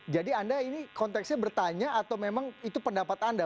jadi anda ini konteksnya bertanya atau memang itu pendapat anda